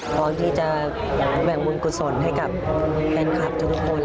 พร้อมที่จะแบ่งบุญกุศลให้กับแฟนคลับทุกคน